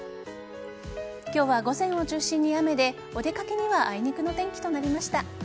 今日は午前を中心に雨でお出かけにはあいにくの天気となりました。